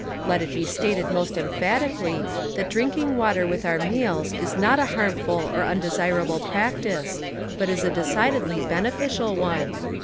Let it be stated most emphatically that drinking water with our meals is not a liarmful or undesirable practice, but is a decidedly beneficial one.